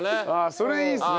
それいいですね。